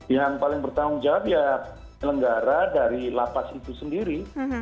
yang paling bertanggung jawab ya penyelenggara dari lapas itu sendiri